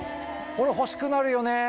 これ欲しくなるよね。